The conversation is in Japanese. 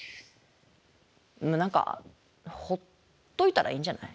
何かほっといたらいいんじゃない？